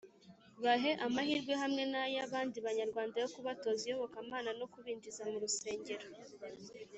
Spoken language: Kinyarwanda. Bahe amahirwe hamwe n’ay’abandi Banyarwanda yo kubatoza iyobokamana no kubinjiza mu rusengero